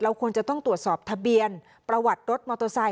เราควรจะต้องตรวจสอบทะเบียนประวัติรถมอตโทสไทร